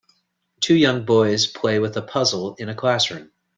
Two young boys play with a puzzle in a classroom.